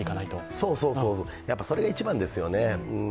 そうそう、それが一番ですよね。